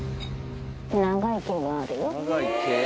長い毛があるよ。